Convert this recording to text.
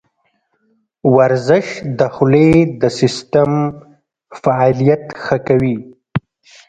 ورزش د خولې د سیستم فعالیت ښه کوي.